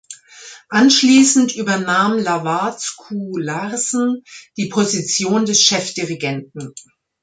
Anschließend übernahm Lavard Skou Larsen die Position des Chefdirigenten.